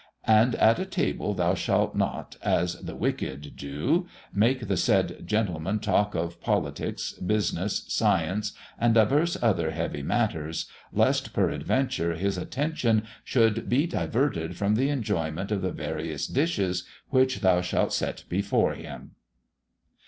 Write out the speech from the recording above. And at table thou shalt not, as the wicked do, make the said gentleman talk of politics, business, science, and divers other heavy matters, lest peradventure his attention should be diverted from the enjoyment of the various dishes which thou shalt set before him."